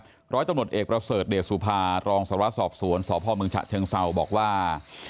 ตอนนี้ก็ปล่อยตำรวจเอกประเสริฐเดชสุภารองศาวสอบสวนสมชะเชิงเศร้าบอกว่า